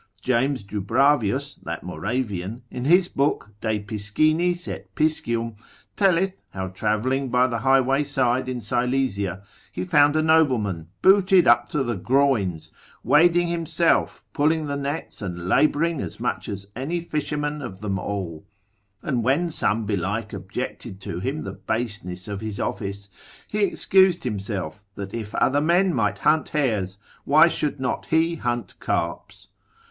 James Dubravius, that Moravian, in his book de pisc. telleth, how travelling by the highway side in Silesia, he found a nobleman, booted up to the groins, wading himself, pulling the nets, and labouring as much as any fisherman of them all: and when some belike objected to him the baseness of his office, he excused himself, that if other men might hunt hares, why should not he hunt carps?